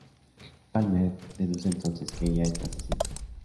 Palmer deduce entonces que ella es la asesina.